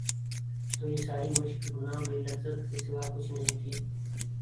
تو یہ ساری مشق گناہ بے لذت کے سوا کچھ نہیں تھی۔